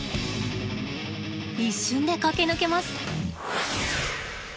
一瞬で駆け抜けます。